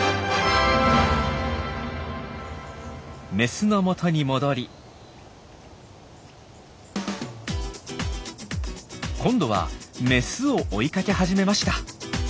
メスのもとに戻り今度はメスを追いかけ始めました。